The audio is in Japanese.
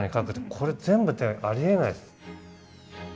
これ全部手描きってありえないです。